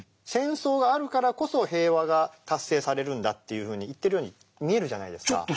戦争があるからこそ平和が達成されるんだというふうに言ってるように見えるじゃないですか。